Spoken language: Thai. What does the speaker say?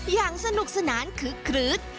อย่างสนุกสนานคึกคลื๊ด